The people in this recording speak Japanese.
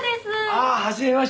ああはじめまして。